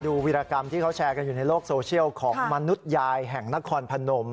วิรากรรมที่เขาแชร์กันอยู่ในโลกโซเชียลของมนุษยายแห่งนครพนม